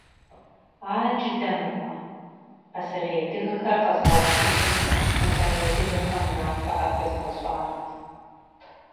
Аджыдэ мыгъуэ, пасэрей адыгэхэр къэзгъэушыжу нобэрей адыгэхэм унафэ къахуезгъэщӏарэт!